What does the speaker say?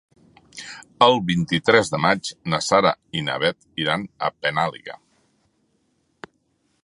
El vint-i-tres de maig na Sara i na Bet iran a Penàguila.